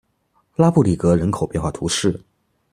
拉布里格人口变化图示